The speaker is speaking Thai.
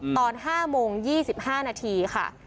ตอน๕โมง๒๕นาทีค่ะ